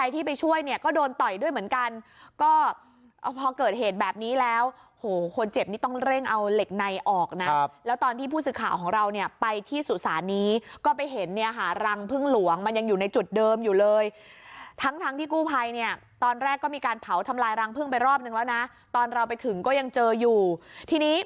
ที่ไปช่วยเนี่ยก็โดนต่อยด้วยเหมือนกันก็พอเกิดเหตุแบบนี้แล้วโหคนเจ็บนี่ต้องเร่งเอาเหล็กในออกนะแล้วตอนที่ผู้สื่อข่าวของเราเนี่ยไปที่สุสานนี้ก็ไปเห็นเนี่ยค่ะรังพึ่งหลวงมันยังอยู่ในจุดเดิมอยู่เลยทั้งทั้งที่กู้ภัยเนี่ยตอนแรกก็มีการเผาทำลายรังพึ่งไปรอบนึงแล้วนะตอนเราไปถึงก็ยังเจออยู่ทีนี้